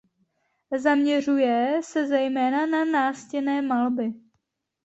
Zaměřuje se zejména na nástěnné malby.